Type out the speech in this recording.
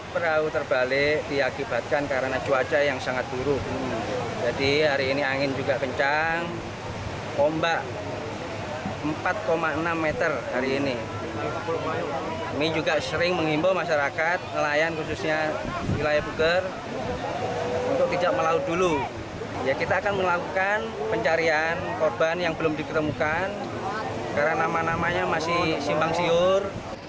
korban yang belum diketemukan karena nama namanya masih simbang siur